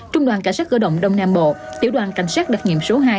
trung đoàn cảnh sát cơ động đông nam bộ tiểu đoàn cảnh sát đặc nghiệm số hai